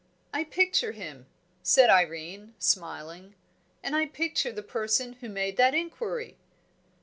"I picture him," said Irene, smiling, "and I picture the person who made that inquiry."